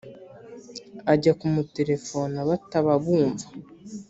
ajya kumuterefona batababumva,